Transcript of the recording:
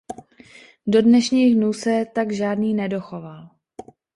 Do dnešních dnů se tak žádný nedochoval.